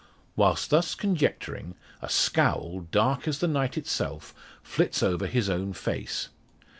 While thus conjecturing, a scowl, dark as the night itself, flits over his own face.